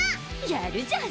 やるじゃん